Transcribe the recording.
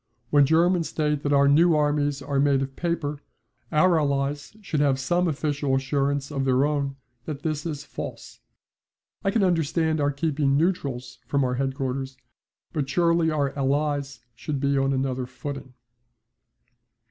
When Germans state that our new armies are made of paper, our Allies should have some official assurance of their own that this is false. I can understand our keeping neutrals from our headquarters, but surely our Allies should be on another footing.